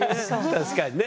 確かにね。